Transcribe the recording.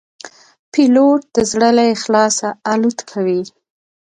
پیلوټ د زړه له اخلاصه الوت کوي.